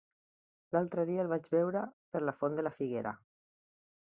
L'altre dia el vaig veure per la Font de la Figuera.